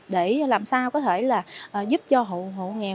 để làm sao có thể là giúp cho hộ nghèo